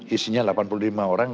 isinya delapan puluh lima orang